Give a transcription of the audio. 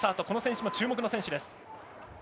この選手も注目の選手です。